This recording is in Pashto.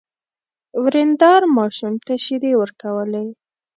ورېندار ماشوم ته شيدې ورکولې.